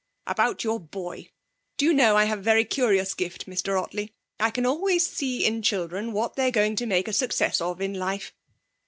'About your boy. Do you know, I have a very curious gift, Mr Ottley. I can always see in children what they're going to make a success of in life.